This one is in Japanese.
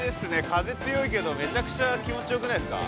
風強いけどめちゃくちゃ気持ちよくないですか。